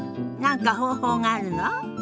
何か方法があるの？